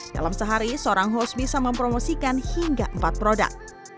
dalam sehari seorang host bisa mempromosikan hingga empat produk